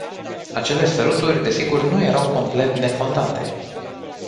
Acele săruturi, desigur, nu erau complet nefondate.